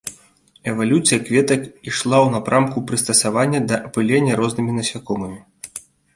Эвалюцыя кветак ішла ў напрамку прыстасавання да апылення рознымі насякомымі.